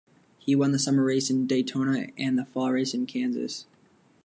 He won the summer race in Daytona and the fall race in Kansas.